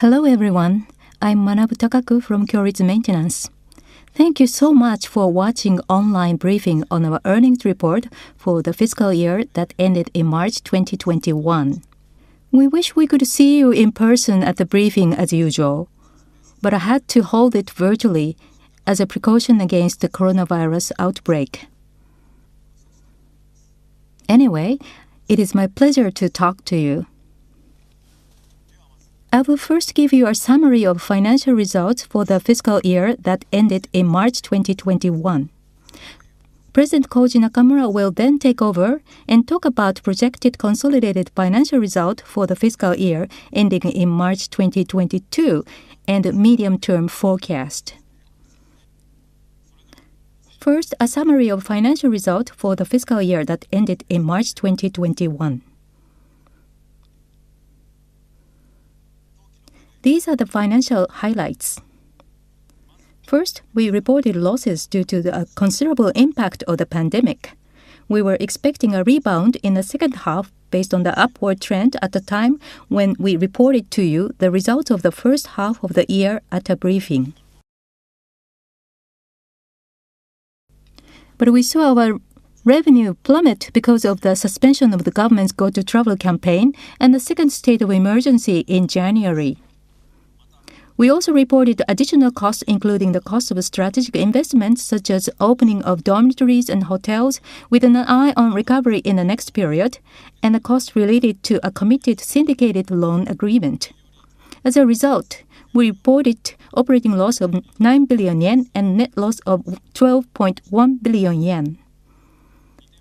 Hello everyone. I'm Manabu Takaku from Kyoritsu Maintenance. Thank you so much for watching online briefing on our earnings report for the fiscal year that ended in March 2021. We wish we could see you in person at the briefing as usual, but I had to hold it virtually as a precaution against the coronavirus outbreak. Anyway, it is my pleasure to talk to you. I will first give you a summary of financial results for the fiscal year that ended in March 2021. President Koji Nakamura will then take over and talk about projected consolidated financial result for the fiscal year ending in March 2022 and the medium-term forecast. First, a summary of financial result for the fiscal year that ended in March 2021. These are the financial highlights. First, we reported losses due to the considerable impact of the pandemic. We were expecting a rebound in the second half based on the upward trend at the time when we reported to you the results of the first half of the year at a briefing. We saw our revenue plummet because of the suspension of the government's Go To Travel campaign and the second state of emergency in January. We also reported additional costs, including the cost of strategy investments such as opening of dormitories and hotels with an eye on recovery in the next period and the cost related to a committed syndicated loan agreement. As a result, we reported operating loss of 9 billion yen and net loss of 12.1 billion yen.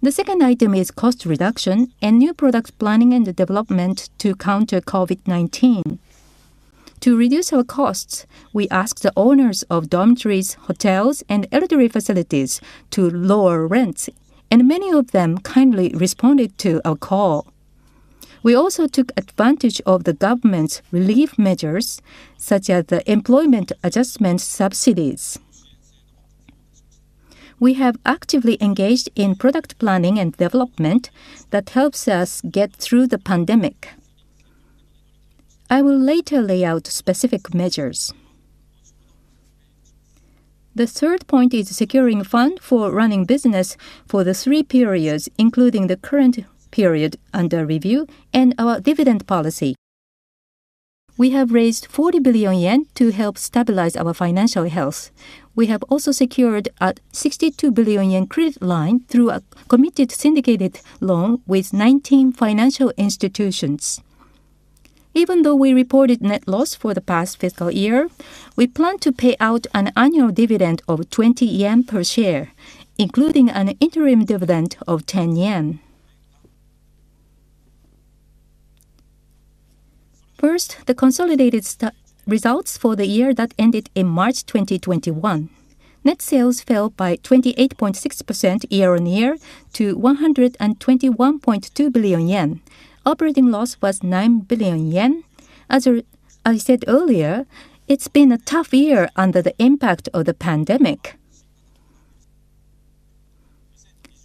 The second item is cost reduction and new product planning and development to counter COVID-19. To reduce our costs, we asked the owners of dormitories, hotels, and elderly facilities to lower rents, and many of them kindly responded to our call. We also took advantage of the government's relief measures, such as the Employment Adjustment Subsidy. We have actively engaged in product planning and development that helps us get through the pandemic. I will later lay out specific measures. The third point is securing fund for running business for the three periods, including the current period under review and our dividend policy. We have raised 40 billion yen to help stabilize our financial health. We have also secured a 62 billion yen credit line through a committed syndicated loan with 19 financial institutions. Even though we reported net loss for the past fiscal year, we plan to pay out an annual dividend of 20 yen per share, including an interim dividend of 10 yen. First, the consolidated results for the year that ended in March 2021. Net sales fell by 28.6% year-on-year to 121.2 billion yen. Operating loss was 9 billion yen. As I said earlier, it's been a tough year under the impact of the pandemic.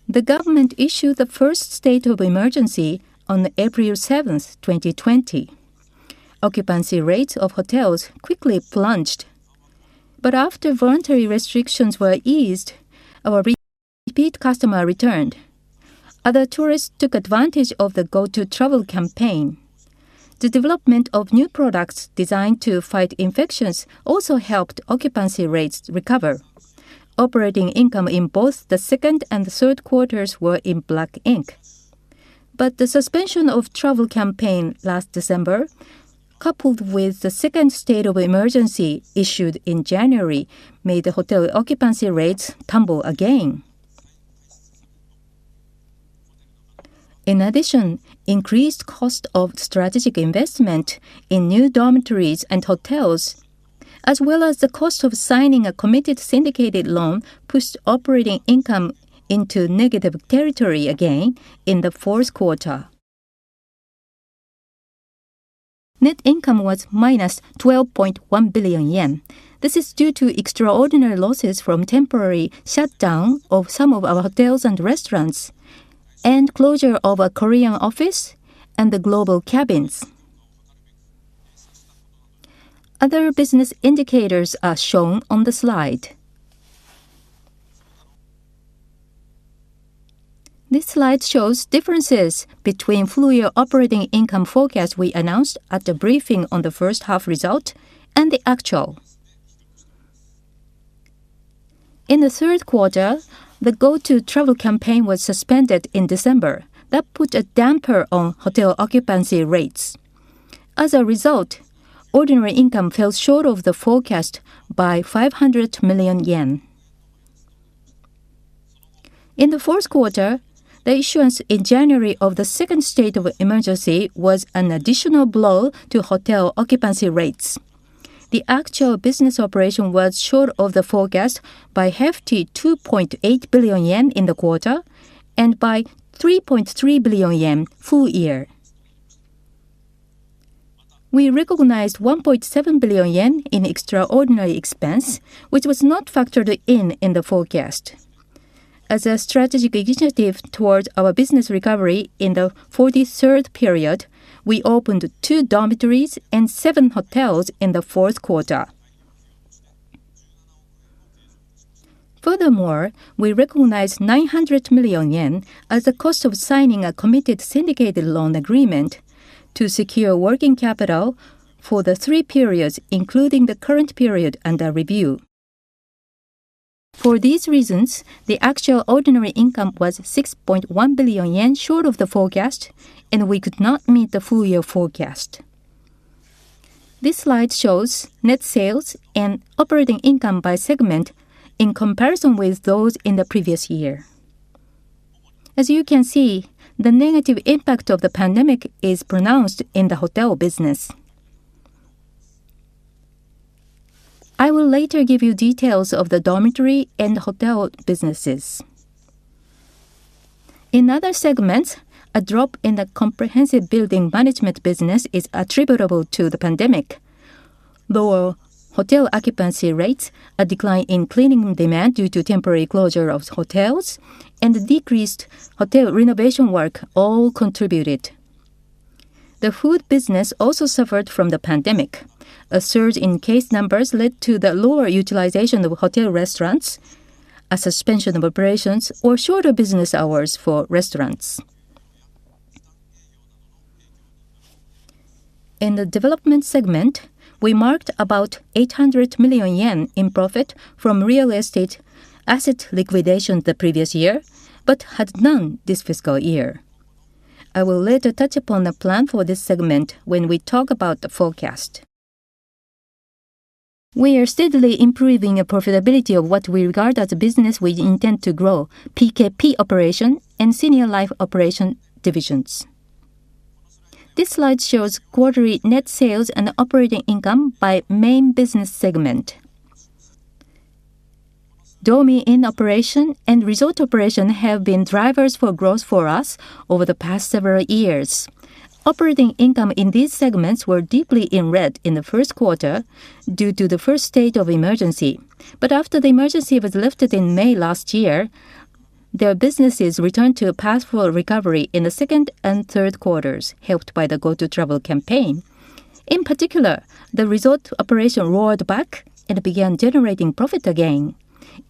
The government issued the first state of emergency on April 7th, 2020. Occupancy rates of hotels quickly plunged. After voluntary restrictions were eased, our repeat customer returned. Other tourists took advantage of the Go To Travel campaign. The development of new products designed to fight infections also helped occupancy rates recover. Operating income in both the second and third quarters were in black ink. The suspension of travel campaign last December, coupled with the second state of emergency issued in January, made the hotel occupancy rates tumble again. In addition, increased cost of strategic investment in new dormitories and hotels, as well as the cost of signing a committed syndicated loan, pushed operating income into negative territory again in the fourth quarter. Net income was -12.1 billion yen. This is due to extraordinary losses from temporary shutdown of some of our hotels and restaurants and closure of our Korean office and the Global Cabin. Other business indicators are shown on the slide. This slide shows differences between full-year operating income forecast we announced at the briefing on the first half result and the actual. In the third quarter, the Go To Travel campaign was suspended in December. That put a damper on hotel occupancy rates. As a result, ordinary income fell short of the forecast by 500 million yen. In the fourth quarter, the issuance in January of the second state of emergency was an additional blow to hotel occupancy rates. The actual business operation was short of the forecast by a hefty 2.8 billion yen in the quarter and by 3.3 billion yen full-year. We recognized 1.7 billion yen in extraordinary expense, which was not factored in in the forecast. As a strategic initiative towards our business recovery in the 43rd period, we opened two dormitories and seven hotels in the fourth quarter. Furthermore, we recognized 900 million yen as the cost of signing a committed syndicated loan agreement to secure working capital for the three periods, including the current period under review. For these reasons, the actual ordinary income was 6.1 billion yen short of the forecast, and we could not meet the full-year forecast. This slide shows net sales and operating income by segment in comparison with those in the previous year. As you can see, the negative impact of the pandemic is pronounced in the hotel business. I will later give you details of the dormitory and hotel businesses. In other segments, a drop in the comprehensive building management business is attributable to the pandemic. Lower hotel occupancy rates, a decline in cleaning demand due to temporary closure of hotels, and decreased hotel renovation work all contributed. The food business also suffered from the pandemic. A surge in case numbers led to the lower utilization of hotel restaurants, a suspension of operations, or shorter business hours for restaurants. In the development segment, we marked about 800 million yen in profit from real estate asset liquidation the previous year, but had none this fiscal year. I will later touch upon the plan for this segment when we talk about the forecast. We are steadily improving the profitability of what we regard as a business we intend to grow, PKP operation and Senior Life operation divisions. This slide shows quarterly net sales and operating income by main business segment. Dormy Inn operation and Resort operation have been drivers for growth for us over the past several years. Operating income in these segments were deeply in red in the first quarter due to the first state of emergency. After the emergency was lifted in May last year, their businesses returned to a path for recovery in the second and third quarters, helped by the Go To Travel campaign. In particular, the Resort operation roared back and began generating profit again.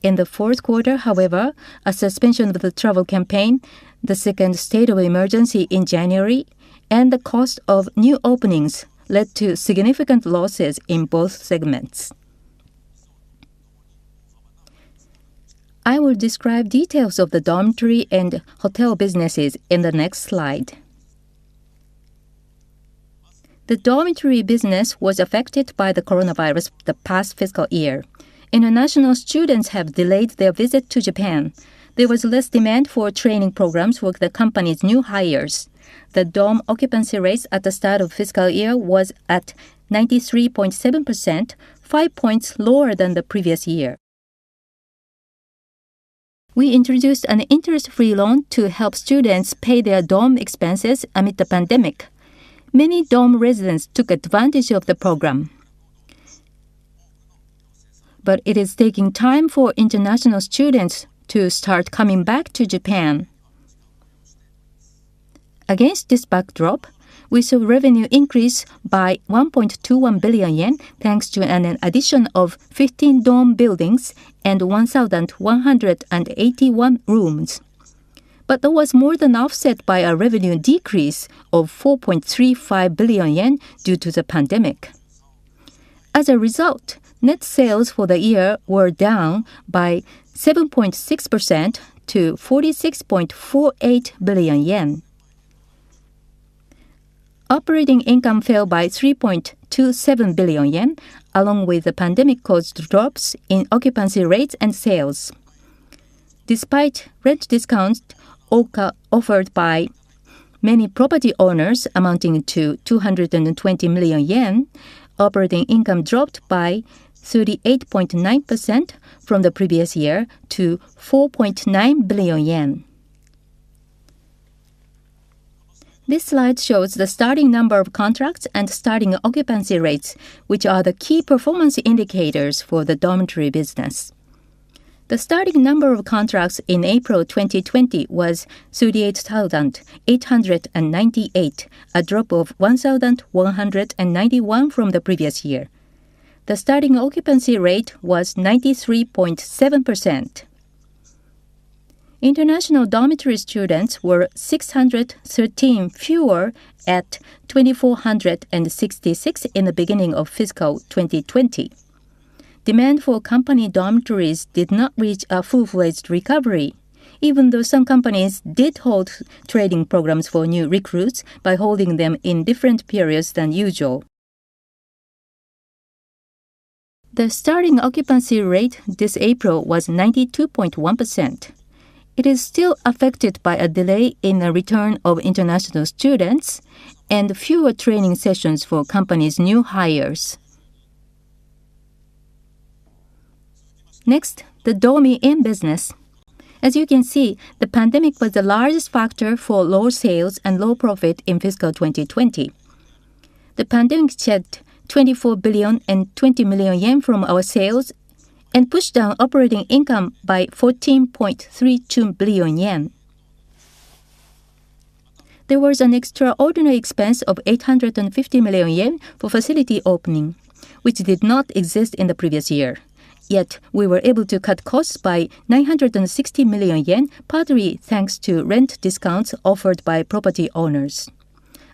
In the fourth quarter, however, a suspension of the travel campaign, the second state of emergency in January, and the cost of new openings led to significant losses in both segments. I will describe details of the dormitory and hotel businesses in the next slide. The dormitory business was affected by the Coronavirus the past fiscal year. International students have delayed their visit to Japan. There was less demand for training programs with the company's new hires. The dorm occupancy rates at the start of fiscal year was at 93.7%, five points lower than the previous year. We introduced an interest-free loan to help students pay their dorm expenses amid the pandemic. Many dorm residents took advantage of the program. It is taking time for international students to start coming back to Japan. Against this backdrop, we saw revenue increase by 1.21 billion yen, thanks to an addition of 15 dorm buildings and 1,181 rooms. That was more than offset by a revenue decrease of 4.35 billion yen due to the pandemic. As a result, net sales for the year were down by 7.6% to 46.48 billion yen. Operating income fell by 3.27 billion yen, along with the pandemic-caused drops in occupancy rates and sales. Despite rent discounts offered by many property owners amounting to 220 million yen, operating income dropped by 38.9% from the previous year to 4.9 billion yen. This slide shows the starting number of contracts and starting occupancy rates, which are the key performance indicators for the dormitory business. The starting number of contracts in April 2020 was 38,898, a drop of 1,191 from the previous year. The starting occupancy rate was 93.7%. International dormitory students were 613 fewer at 2,466 in the beginning of Fiscal 2020. Demand for company dormitories did not reach a full-fledged recovery, even though some companies did hold training programs for new recruits by holding them in different periods than usual. The starting occupancy rate this April was 92.1%. It is still affected by a delay in the return of international students and fewer training sessions for companies' new hires. Next, the Dormy Inn business. As you can see, the pandemic was the largest factor for lower sales and low profit in Fiscal 2020. The pandemic shed 24 billion and 20 million yen from our sales and pushed down operating income by 14.32 billion yen. There was an extraordinary expense of 850 million yen for facility opening, which did not exist in the previous year. Yet we were able to cut costs by 960 million yen, partly thanks to rent discounts offered by property owners.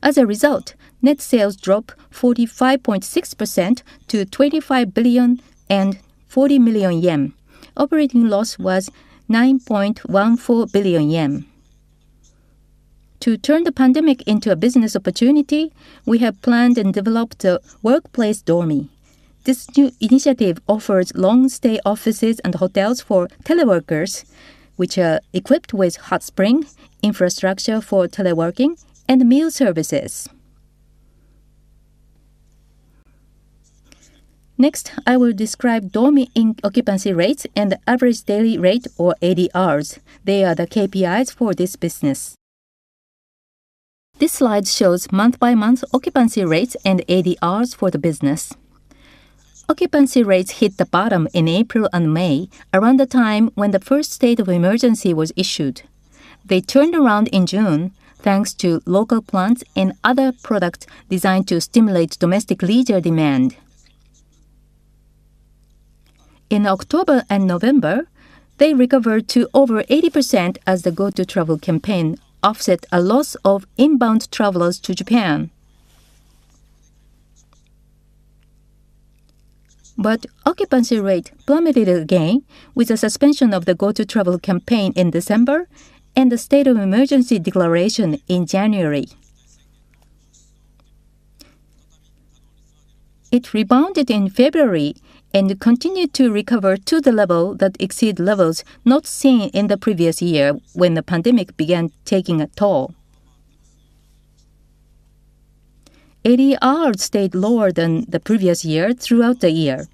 As a result, net sales dropped 45.6% to 25 billion and 40 million yen. Operating loss was 9.14 billion yen. To turn the pandemic into a business opportunity, we have planned and developed a Workplace Dormy. This new initiative offers long-stay offices and hotels for teleworkers, which are equipped with hot springs, infrastructure for teleworking, and meal services. Next, I will describe Dormy Inn occupancy rates and the average daily rate, or ADRs. They are the KPIs for this business. This slide shows month-by-month occupancy rates and ADRs for the business. Occupancy rates hit the bottom in April and May, around the time when the first state of emergency was issued. They turned around in June, thanks to local plans and other products designed to stimulate domestic leisure demand. In October and November, they recovered to over 80% as the Go To Travel campaign offset a loss of inbound travelers to Japan. Occupancy rate plummeted again with the suspension of the Go To Travel campaign in December and the state of emergency declaration in January. It rebounded in February and continued to recover to the level that exceed levels not seen in the previous year when the pandemic began taking a toll. ADR stayed lower than the previous year throughout the year,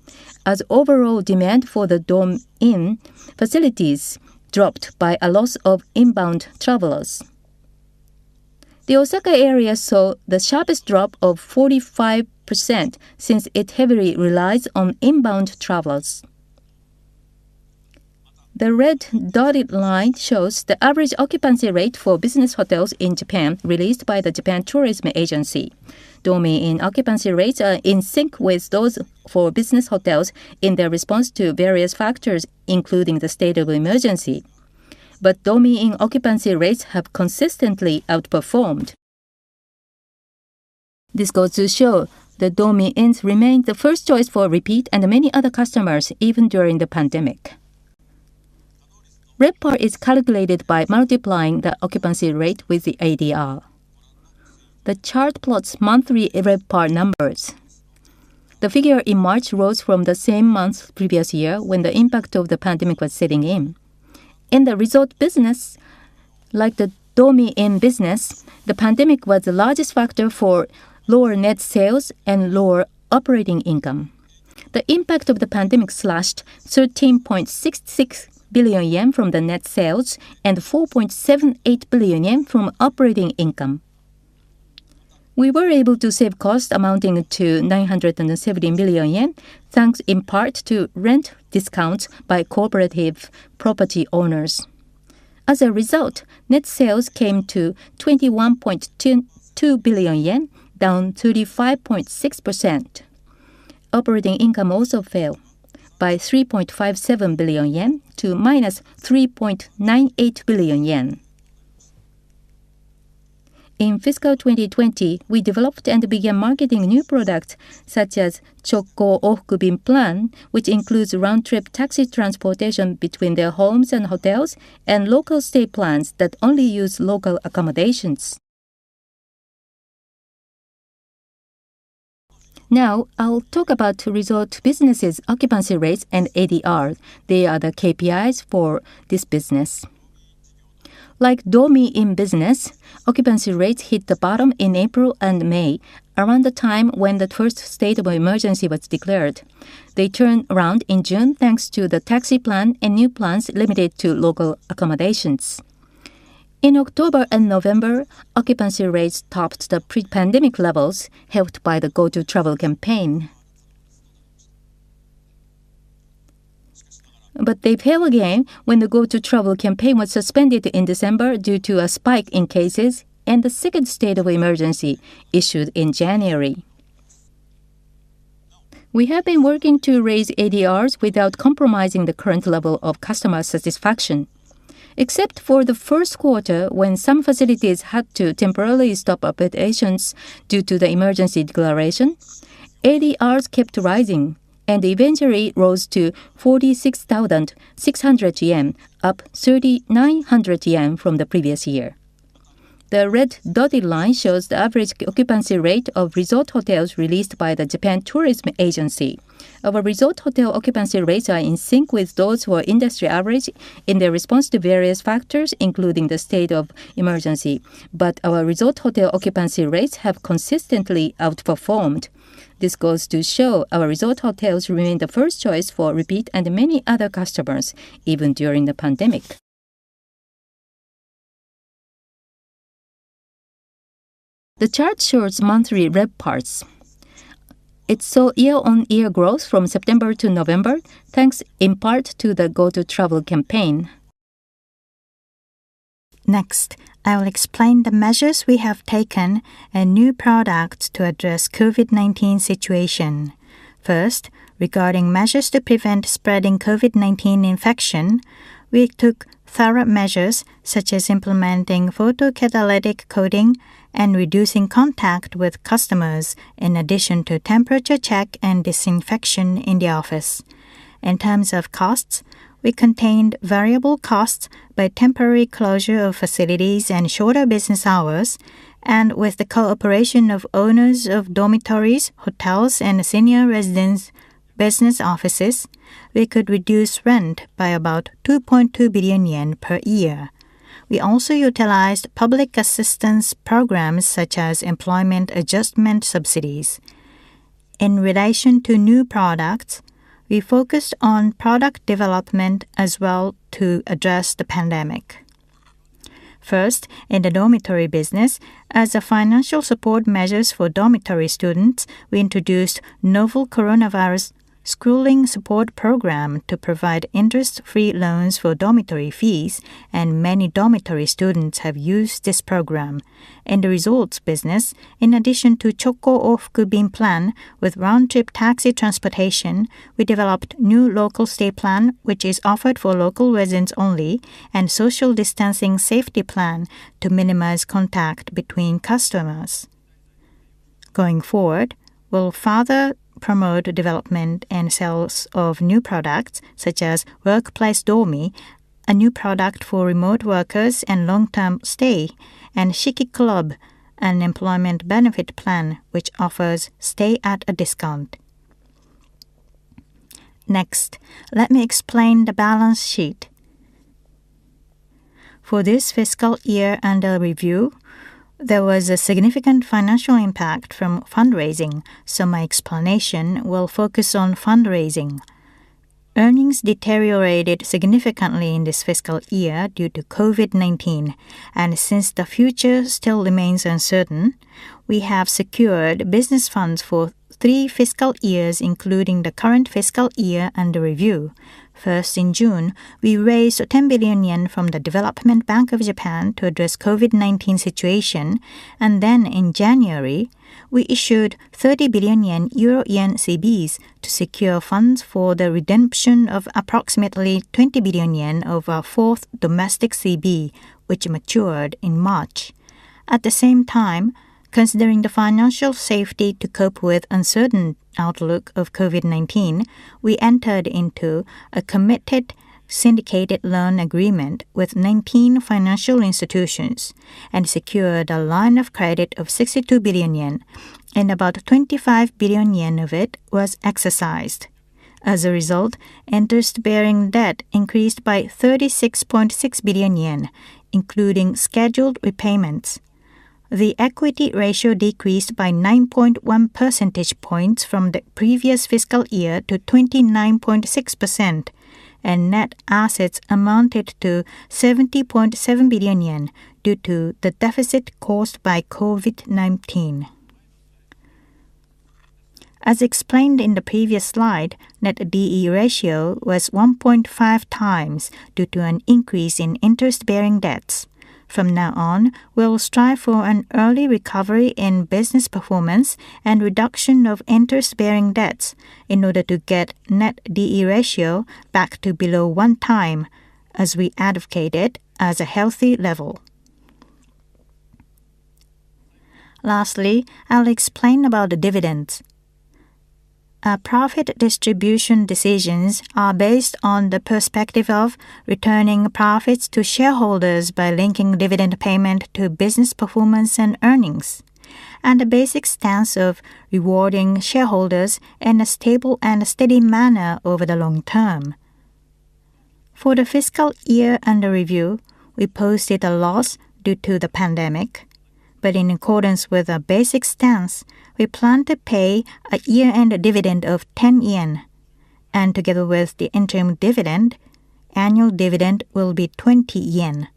as overall demand for the Dormy Inn facilities dropped by a loss of inbound travelers. The Osaka area saw the sharpest drop of 45% since it heavily relies on inbound travelers. The red dotted line shows the average occupancy rate for business hotels in Japan released by the Japan Tourism Agency. Dormy Inn occupancy rates are in sync with those for business hotels in their response to various factors, including the state of emergency. Dormy Inn occupancy rates have consistently outperformed. This goes to show that Dormy Inns remain the first choice for repeat and many other customers, even during the pandemic. RevPAR is calculated by multiplying the occupancy rate with the ADR. The chart plots monthly RevPAR numbers. The figure in March rose from the same month the previous year when the impact of the pandemic was setting in. In the resort business, like the Dormy Inn business, the pandemic was the largest factor for lower net sales and lower operating income. The impact of the pandemic slashed 13.66 billion yen from the net sales and 4.78 billion yen from operating income. We were able to save costs amounting to 917 million yen, thanks in part to rent discounts by cooperative property owners. As a result, net sales came to 21.22 billion yen, down 35.6%. Operating income also fell by 3.57 billion yen to -3.98 billion yen. In fiscal 2020, we developed and began marketing new products such as Chokko Ofuku Plan, which includes round-trip taxi transportation between their homes and hotels, and local stay plans that only use local accommodations. Now, I'll talk about the resort business's occupancy rates and ADR. They are the KPIs for this business. Like Dormy Inn business, occupancy rates hit the bottom in April and May, around the time when the first state of emergency was declared. They turned around in June thanks to the taxi plan and new plans limited to local accommodations. In October and November, occupancy rates topped the pre-pandemic levels, helped by the Go To Travel campaign. They fell again when the Go To Travel campaign was suspended in December due to a spike in cases and the second state of emergency issued in January. We have been working to raise ADRs without compromising the current level of customer satisfaction. Except for the first quarter when some facilities had to temporarily stop operations due to the emergency declaration, ADRs kept rising and eventually rose to 46,600 yen, up 3,900 yen from the previous year. The red dotted line shows the average occupancy rate of resort hotels released by the Japan Tourism Agency. Our resort hotel occupancy rates are in sync with the industry average in their response to various factors, including the state of emergency. Our resort hotel occupancy rates have consistently outperformed. This goes to show our resort hotels remain the first choice for repeat and many other customers, even during the pandemic. The chart shows monthly RevPARs. It saw year-on-year growth from September to November, thanks in part to the Go To Travel campaign. Next, I'll explain the measures we have taken and new products to address the COVID-19 situation. First, regarding measures to prevent spreading COVID-19 infection, we took thorough measures such as implementing photocatalytic coating and reducing contact with customers, in addition to temperature check and disinfection in the office. In terms of costs, we contained variable costs by temporary closure of facilities and shorter business hours, and with the cooperation of owners of dormitories, hotels, and senior residence business offices, we could reduce rent by about 2.2 billion yen per year. We also utilized public assistance programs such as Employment Adjustment Subsidies. In relation to new products, we focused on product development as well to address the pandemic. First, in the dormitory business, as financial support measures for dormitory students, we introduced Novel Coronavirus Schooling Support Program to provide interest-free loans for dormitory fees, and many dormitory students have used this program. In the resorts business, in addition to Chokko Ofuku Plan with round-trip taxi transportation, we developed a new local stay plan, which is offered for local residents only, and a social distancing safety plan to minimize contact between customers. Going forward, we'll further promote the development and sales of new products such as Workplace Dormy, a new product for remote workers and long-term stay, and Shiki Club, an employment benefit plan, which offers stay at a discount. Next, let me explain the balance sheet. For this fiscal year under review, there was a significant financial impact from fundraising, so my explanation will focus on fundraising. Earnings deteriorated significantly in this fiscal year due to COVID-19, and since the future still remains uncertain, we have secured business funds for three fiscal years, including the current fiscal year under review. First, in June, we raised 10 billion yen from the Development Bank of Japan to address the COVID-19 situation, and then in January, we issued 30 billion yen Euro-yen CBs to secure funds for the redemption of approximately 20 billion yen of our fourth domestic CB, which matured in March. At the same time, considering the financial safety to cope with the uncertain outlook of COVID-19, we entered into a committed syndicated loan agreement with 19 financial institutions and secured a line of credit of 62 billion yen, and about 25 billion yen of it was exercised. As a result, interest-bearing debt increased by 36.6 billion yen, including scheduled repayments. The equity ratio decreased by 9.1 percentage points from the previous fiscal year to 29.6%, and net assets amounted to 70.7 billion yen due to the deficit caused by COVID-19. As explained in the previous slide, net D/E ratio was 1.5x due to an increase in interest-bearing debts. From now on, we will strive for an early recovery in business performance and reduction of interest-bearing debts in order to get the net D/E ratio back to below 1x, as we advocate it as a healthy level. Lastly, I'll explain about the dividends. Our profit distribution decisions are based on the perspective of returning profits to shareholders by linking dividend payment to business performance and earnings, and the basic stance of rewarding shareholders in a stable and steady manner over the long-term. For the fiscal year under review, we posted a loss due to the pandemic, but in accordance with our basic stance, we plan to pay a year-end dividend of 10 yen, and together with the interim dividend, the annual dividend will be 20 yen.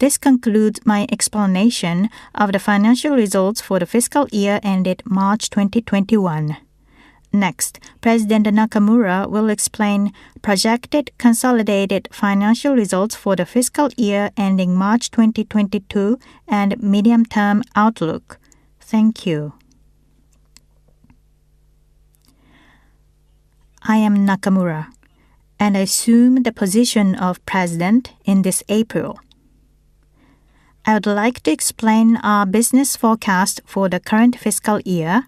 This concludes my explanation of the financial results for the fiscal year ended March 2021. Next, President Nakamura will explain the projected consolidated financial results for the fiscal year ending March 2022 and the medium-term outlook. Thank you. I am Nakamura, and I assumed the position of President this April. I would like to explain our business forecast for the current fiscal year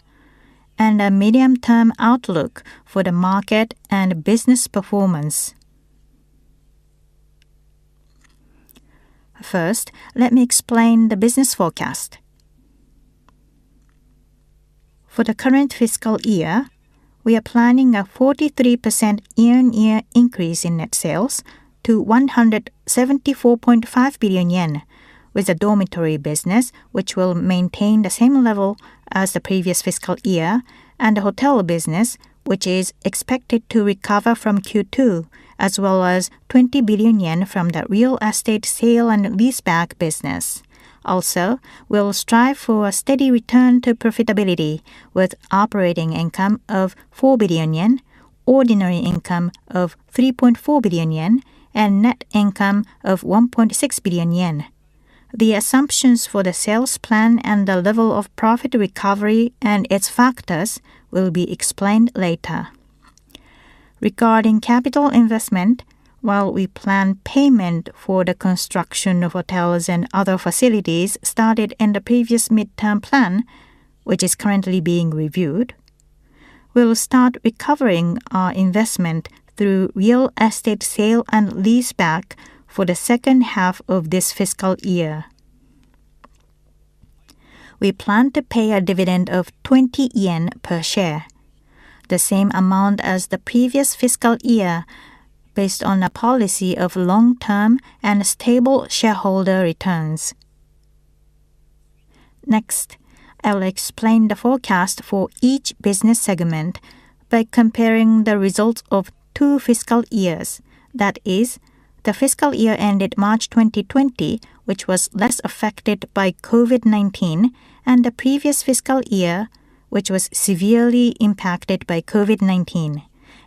and our medium-term outlook for the market and business performance. First, let me explain the business forecast. For the current fiscal year, we are planning a 43% year-on-year increase in net sales to 174.5 billion yen, with the dormitory business, which will maintain the same level as the previous fiscal year, and the hotel business, which is expected to recover from Q2, as well as 20 billion yen from the real estate sale and leaseback business. Also, we will strive for a steady return to profitability, with operating income of 4 billion yen, ordinary income of 3.4 billion yen, and net income of 1.6 billion yen. The assumptions for the sales plan and the level of profit recovery and its factors will be explained later. Regarding capital investment, while we plan payment for the construction of hotels and other facilities started in the previous mid-term plan, which is currently being reviewed, we will start recovering our investment through real estate sale and leaseback for the second half of this fiscal year. We plan to pay a dividend of 20 yen per share, the same amount as the previous fiscal year, based on a policy of long-term and stable shareholder returns. Next, I will explain the forecast for each business segment by comparing the results of two fiscal years. That is, the fiscal year ended March 2020, which was less affected by COVID-19, and the previous fiscal year, which was severely impacted by COVID-19.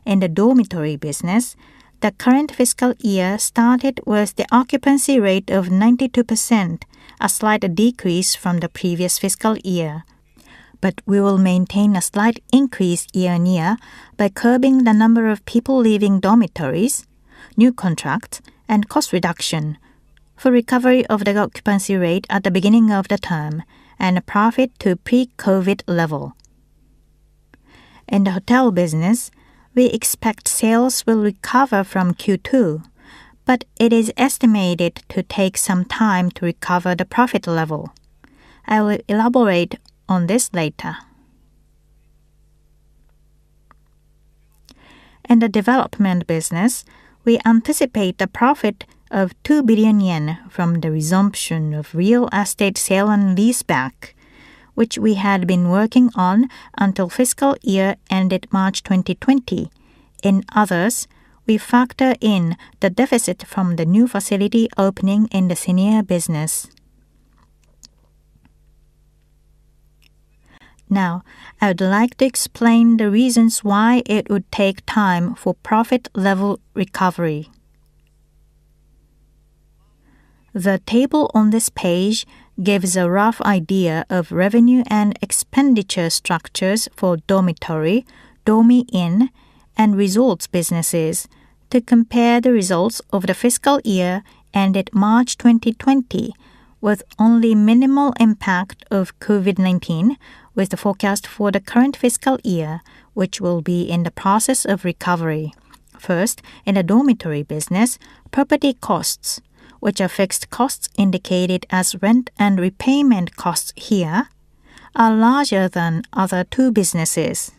In the dormitory business, the current fiscal year started with the occupancy rate of 92%, a slight decrease from the previous fiscal year. We will maintain a slight increase year-on-year by curbing the number of people leaving dormitories, new contracts, and cost reduction, for recovery of the occupancy rate at the beginning of the term and a profit to pre-COVID level. In the hotel business, we expect sales will recover from Q2, but it is estimated to take some time to recover the profit level. I will elaborate on this later. In the development business, we anticipate a profit of 2 billion yen from the resumption of real estate sale and leaseback, which we had been working on until fiscal year ended March 2020. In others, we factor in the deficit from the new facility opening in the Senior Business. Now, I'd like to explain the reasons why it would take time for profit level recovery. The table on this page gives a rough idea of revenue and expenditure structures for dormitory, Dormy Inn, and resorts businesses to compare the results of the fiscal year ended March 2020 with only minimal impact of COVID-19, with the forecast for the current fiscal year, which will be in the process of recovery. First, in the dormitory business, property costs, which are fixed costs indicated as rent and repayment costs here, are larger than other two businesses.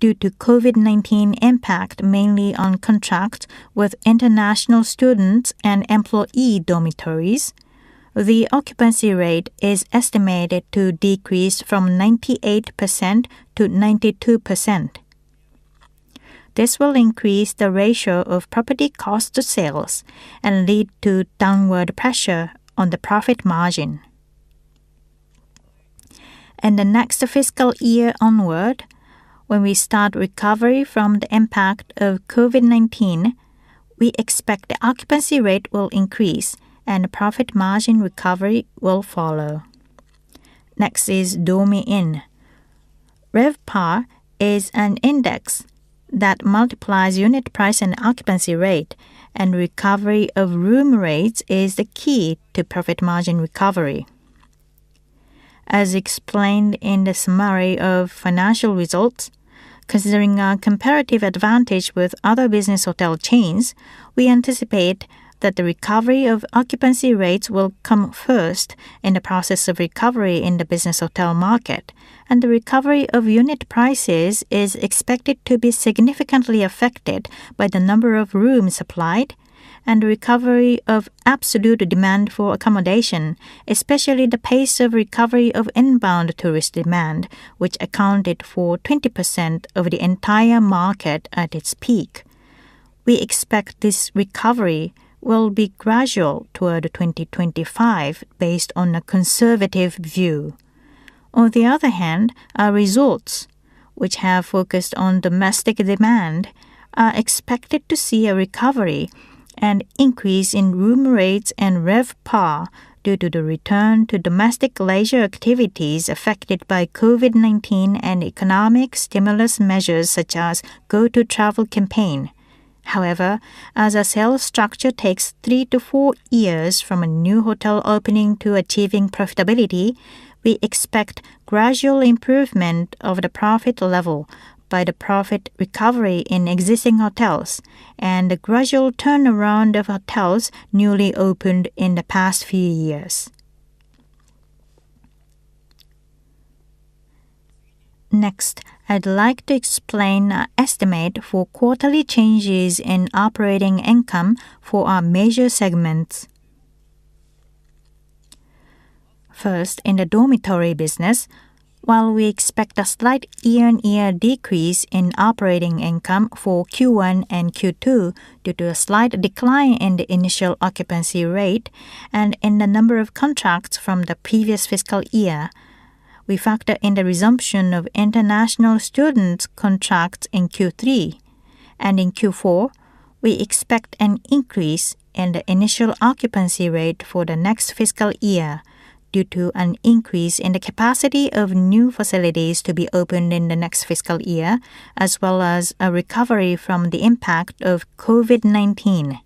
Due to COVID-19 impact mainly on contracts with international students and employee dormitories, the occupancy rate is estimated to decrease from 98%-92%. This will increase the ratio of property cost to sales and lead to downward pressure on the profit margin. In the next fiscal year onward, when we start recovery from the impact of COVID-19, we expect the occupancy rate will increase and the profit margin recovery will follow. Next is Dormy Inn. RevPAR is an index that multiplies unit price and occupancy rate, and recovery of room rates is the key to profit margin recovery. As explained in the summary of financial results, considering our comparative advantage with other business hotel chains, we anticipate that the recovery of occupancy rates will come first in the process of recovery in the business hotel market, and the recovery of unit prices is expected to be significantly affected by the number of rooms supplied and the recovery of absolute demand for accommodation, especially the pace of recovery of inbound tourist demand, which accounted for 20% of the entire market at its peak. We expect this recovery will be gradual toward 2025, based on a conservative view. On the other hand, our resorts, which have focused on domestic demand, are expected to see a recovery and increase in room rates and RevPAR due to the return to domestic leisure activities affected by COVID-19 and economic stimulus measures such as Go To Travel campaign. However, as our sales structure takes three to four years from a new hotel opening to achieving profitability, we expect gradual improvement of the profit level by the profit recovery in existing hotels and the gradual turnaround of hotels newly opened in the past few years. Next, I'd like to explain our estimate for quarterly changes in operating income for our major segments. First, in the dormitory business, while we expect a slight year-on-year decrease in operating income for Q1 and Q2 due to a slight decline in the initial occupancy rate and in the number of contracts from the previous fiscal year, we factor in the resumption of international student contracts in Q3. In Q4, we expect an increase in the initial occupancy rate for the next fiscal year due to an increase in the capacity of new facilities to be opened in the next fiscal year, as well as a recovery from the impact of COVID-19.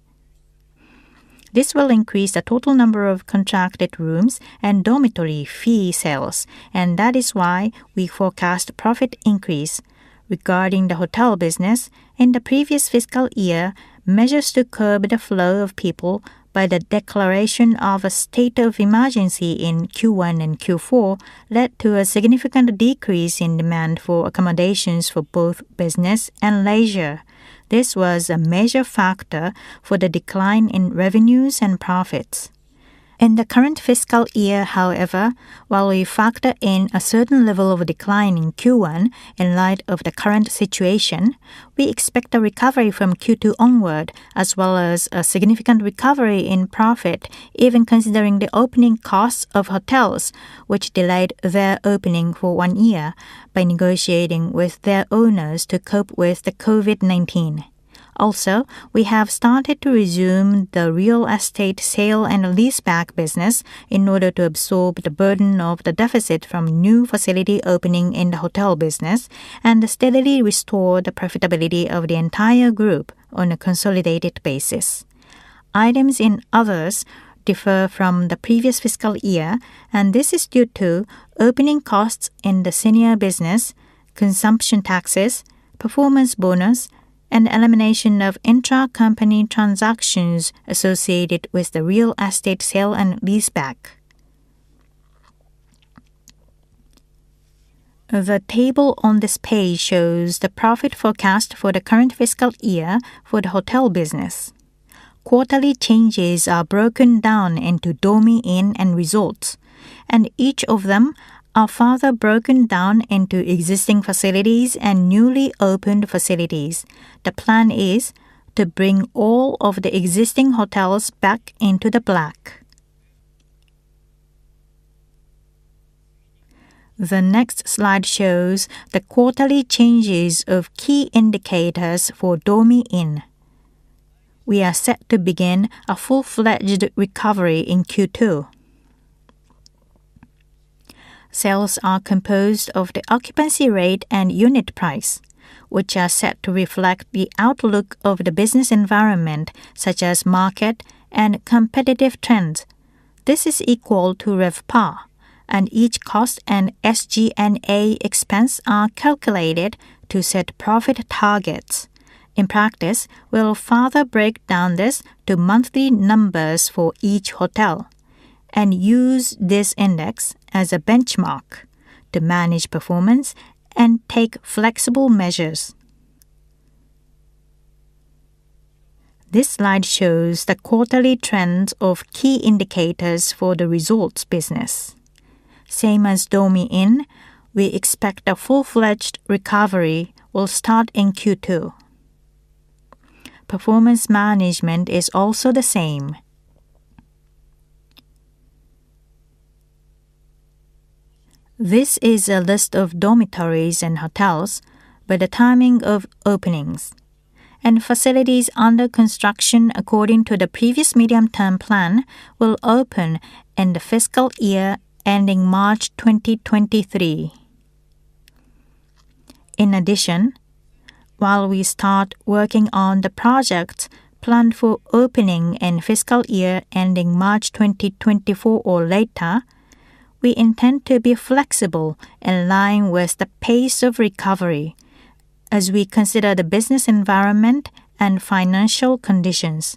This will increase the total number of contracted rooms and dormitory fee sales, and that is why we forecast a profit increase. Regarding the hotel business, in the previous fiscal year, measures to curb the flow of people by the declaration of a state of emergency in Q1 and Q4 led to a significant decrease in demand for accommodations for both business and leisure. This was a major factor for the decline in revenues and profits. In the current fiscal year, however, while we factor in a certain level of decline in Q1, in light of the current situation, we expect a recovery from Q2 onward, as well as a significant recovery in profit, even considering the opening costs of hotels, which delayed their opening for one year by negotiating with their owners to cope with the COVID-19. We have started to resume the real estate sale and leaseback business in order to absorb the burden of the deficit from new facility opening in the hotel business and steadily restore the profitability of the entire group on a consolidated basis. Items in Others differ from the previous fiscal year, and this is due to opening costs in the Senior Business, consumption taxes, performance bonus, and elimination of intra-company transactions associated with the real estate sale and leaseback. The table on this page shows the profit forecast for the current fiscal year for the hotel business. Quarterly changes are broken down into Dormy Inn and Resorts, and each of them are further broken down into existing facilities and newly opened facilities. The plan is to bring all of the existing hotels back into the black. The next slide shows the quarterly changes of key indicators for Dormy Inn. We are set to begin a full-fledged recovery in Q2. Sales are composed of the occupancy rate and unit price, which are set to reflect the outlook of the business environment, such as market and competitive trends. This is equal to RevPAR, and each cost and SG&A expense are calculated to set profit targets. In practice, we'll further break down this to monthly numbers for each hotel and use this index as a benchmark to manage performance and take flexible measures. This slide shows the quarterly trends of key indicators for the Resorts business. Same as Dormy Inn, we expect a full-fledged recovery will start in Q2. Performance management is also the same. This is a list of dormitories and hotels by the timing of openings and facilities under construction according to the previous medium-term plan will open in the fiscal year ending March 2023. In addition, while we start working on the projects planned for opening in fiscal year ending March 2024 or later, we intend to be flexible in line with the pace of recovery as we consider the business environment and financial conditions.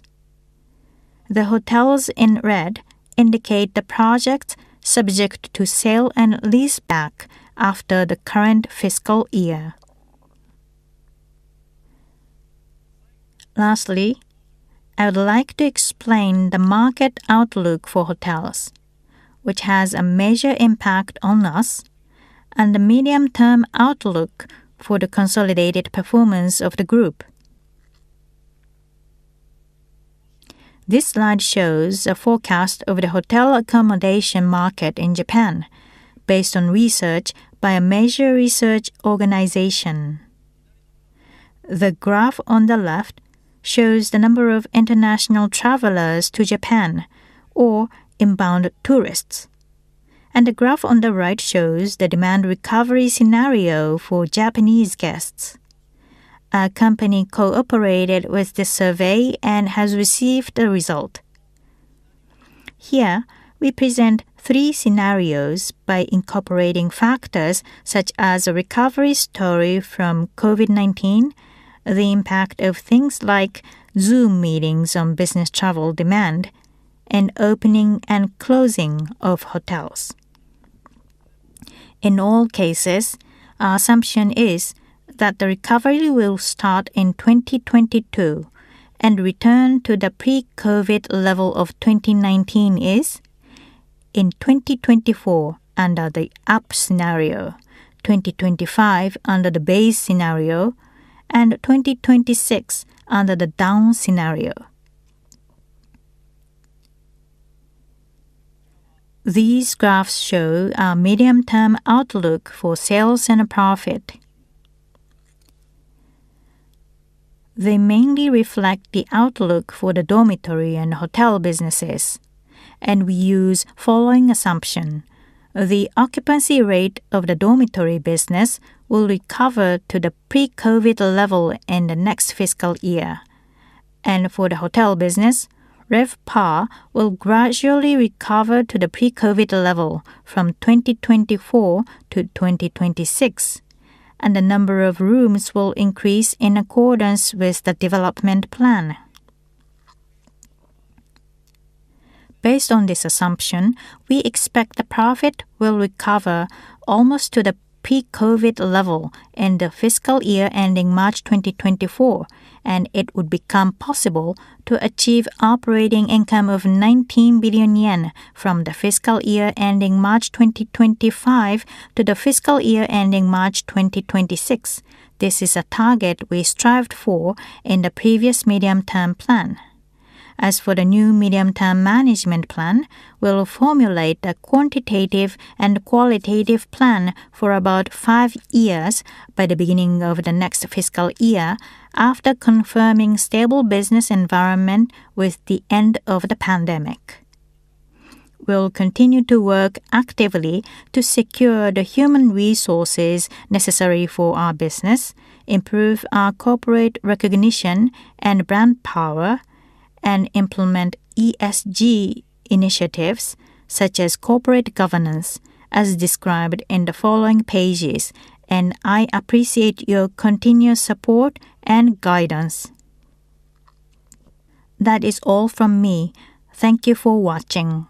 The hotels in red indicate the projects subject to sale and leaseback after the current fiscal year. Lastly, I'd like to explain the market outlook for hotels, which has a major impact on us, and the medium-term outlook for the consolidated performance of the group. This slide shows a forecast of the hotel accommodation market in Japan based on research by a major research organization. The graph on the left shows the number of international travelers to Japan, or inbound tourists. The graph on the right shows the demand recovery scenario for Japanese guests. Our company cooperated with the survey and has received the result. Here, we present three scenarios by incorporating factors such as a recovery story from COVID-19, the impact of things like Zoom meetings on business travel demand and opening and closing of hotels. In all cases, our assumption is that the recovery will start in 2022 and return to the pre-COVID level of 2019 is in 2024 under the up scenario, 2025 under the base scenario, and 2026 under the down scenario. These graphs show our medium-term outlook for sales and profit. They mainly reflect the outlook for the dormitory and hotel businesses, we use the following assumption. The occupancy rate of the dormitory business will recover to the pre-COVID level in the next fiscal year. For the hotel business, RevPAR will gradually recover to the pre-COVID level from 2024 to 2026, and the number of rooms will increase in accordance with the development plan. Based on this assumption, we expect the profit will recover almost to the pre-COVID level in the fiscal year ending March 2024, and it would become possible to achieve operating income of 19 billion yen from the fiscal year ending March 2025 to the fiscal year ending March 2026. This is a target we strived for in the previous medium-term plan. As for the new medium-term management plan, we'll formulate a quantitative and qualitative plan for about five years by the beginning of the next fiscal year after confirming stable business environment with the end of the pandemic. We'll continue to work actively to secure the human resources necessary for our business, improve our corporate recognition and brand power, and implement ESG initiatives such as corporate governance, as described in the following pages. I appreciate your continuous support and guidance. That is all from me. Thank you for watching.